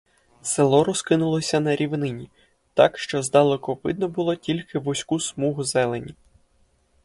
Село розкинулося на рівнині, так що здалеку видно було тільки вузьку смугу зелені.